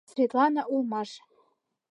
Светлана улмаш.